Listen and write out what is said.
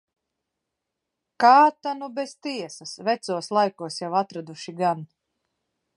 Kā ta nu bez tiesas. Vecos laikos jau atraduši gan.